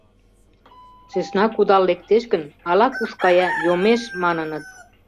Сӧсна кудал лектеш гын, ала-куш кая, йомеш, маныныт.